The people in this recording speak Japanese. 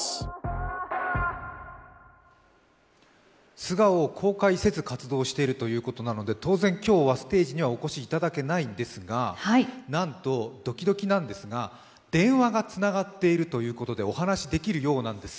素顔を公開せず活動しているということなので当然今日はステージにはお越しいただけないんですが、なんとドキドキなんですが、電話がつながっているということでお話しできるようなんです。